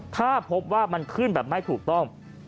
ถ้าพบว่ามันขึ้นแบบไม่ถูกต้อง